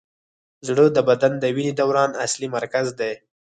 زړه د بدن د وینې دوران اصلي مرکز دی.